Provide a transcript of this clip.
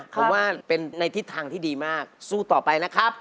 ผมว่าเป็นในทิศทางที่ดีมากสู้ต่อไปนะครับ